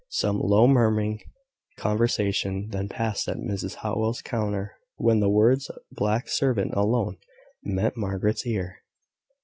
Some low, murmuring, conversation then passed at Mrs Howell's counter, when the words "black servant" alone met Margaret's ear.